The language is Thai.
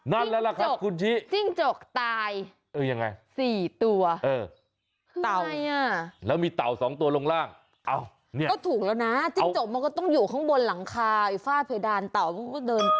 นั่นแล้วล่ะครับคุณชิ